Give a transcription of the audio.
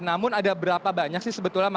namun ada berapa banyak sih sebetulnya